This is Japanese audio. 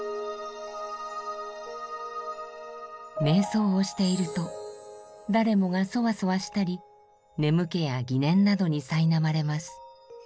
瞑想をしていると誰もがそわそわしたり眠気や疑念などにさいなまれます。